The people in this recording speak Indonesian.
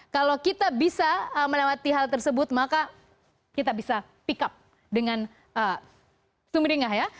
kalau kita bisa melewati hal tersebut maka kita bisa pick up dengan sumenengah ya